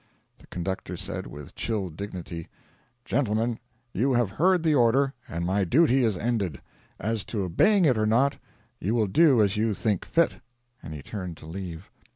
The conductor said, with chill dignity: 'Gentlemen, you have heard the order, and my duty is ended. As to obeying it or not, you will do as you think fit.' And he turned to leave.